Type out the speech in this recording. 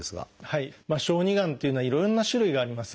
小児がんというのはいろんな種類があります。